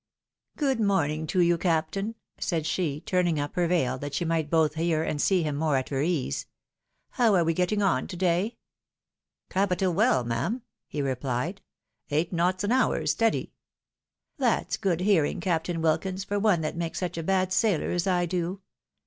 " Good morning to you, captain," said she, turning up her veil that she might both hear and see him more at her ease. " How are we getting on to day ?"" Capital well, ma'am," he replied, " eight knots an hour, " That's good hearing, Captain "Wilkins, for one that makes such a bad sailor as I do.